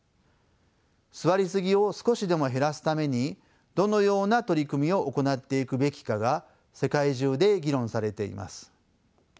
座りすぎを少しでも減らすためにどのような取り組みを行っていくべきかが世界中で議論されています。